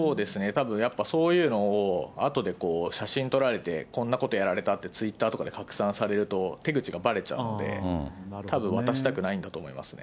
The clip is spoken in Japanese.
たぶんやっぱ、そういうのをあとで写真撮られて、こんなことやられたって、ツイッターとかで拡散されると、手口がばれちゃうので、たぶん渡したくないんだと思いますね。